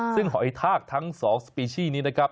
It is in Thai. ซึ่งหอยทากทั้ง๒สปีชี่นี้นะครับ